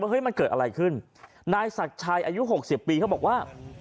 เฮ้ยมันเกิดอะไรขึ้นนายศักดิ์ชัยอายุหกสิบปีเขาบอกว่า